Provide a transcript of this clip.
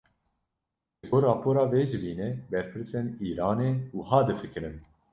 Li gor rapora vê civînê, berpirsên Îranê wiha difikirin